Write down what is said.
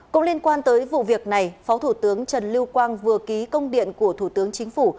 cũng liên quan tới vụ việc này phó thủ tướng trần lưu quang vừa ký công điện của thủ tướng chính phủ